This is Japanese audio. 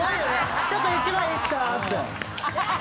ちょっと１枚いいっすかっつって。